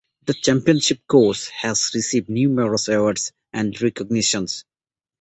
The championship course has received numerous awards and recognitions.